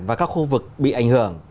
và các khu vực bị ảnh hưởng